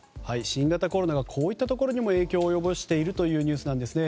新型コロナがこういったところにも影響を及ぼしているというニュースなんですね。